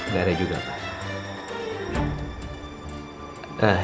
nggak ada juga pak